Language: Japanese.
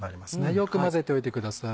よく混ぜておいてください。